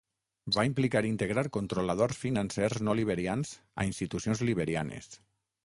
Va implicar integrar controladors financers no liberians a institucions liberianes.